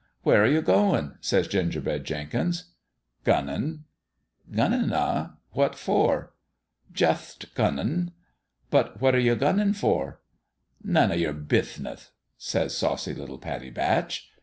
" Where you goin' ?" says Gingerbread Jenkins. "Gunnin'." "Gunnin', eh? What for ?" "Jutht gunnin'." " But what you gunnin 9 for ?" "None o' your bithneth," says saucy little Pattie Batch.